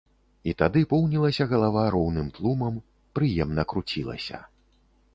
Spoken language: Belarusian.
І тады поўнілася галава роўным тлумам, прыемна круцілася.